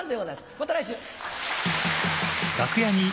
また来週！